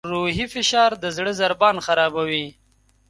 روحي فشار د زړه ضربان خرابوي.